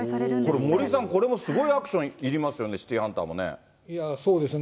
これ、森さん、これもすごいアクションいりますよね、シティそうですよね。